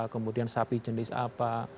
kemudian sapi jenis apa